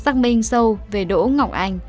xác minh sâu về đỗ ngọc anh